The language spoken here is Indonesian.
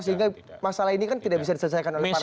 sehingga masalah ini kan tidak bisa diselesaikan oleh partai